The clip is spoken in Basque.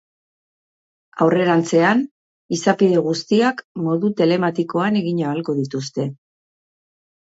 Aurrerantzean, izapide guztiak modu telematikoan egin ahalko dituzte.